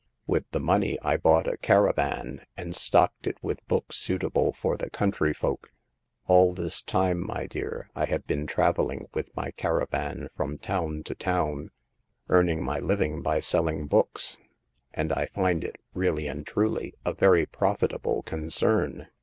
With the money I bought a car avan, and stocked it with books suitable for the country folk. All this time, my dear, I have been traveling with my caravan from town to town, earning my living by selling books ; and I find it, really and truly, a very profitable concern.